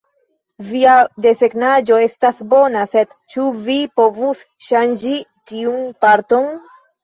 "Via desegnaĵo estas bona, sed ĉu vi povus ŝanĝi tiun parton?"